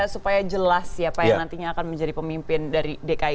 supaya jelas siapa yang nantinya akan menjadi pemimpin dari dki jakarta